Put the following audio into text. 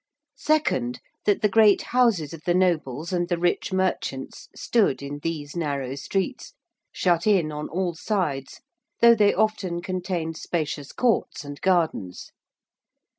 Second, that the great houses of the nobles and the rich merchants stood in these narrow streets, shut in on all sides though they often contained spacious courts and gardens.